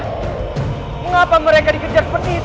hai mengapa mereka dikejar seperti itu